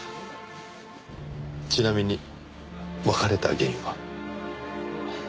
ちなみに別れた原因は？